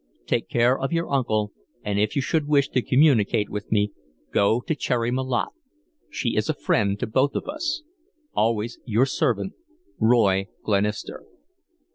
Take care of your uncle, and if you should wish to communicate with me, go to Cherry Malotte. She is a friend to both of us. "Always your servant, ROY GLENISTER."